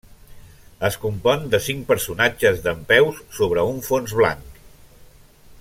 Es compon de cinc personatges dempeus sobre un fons blanc.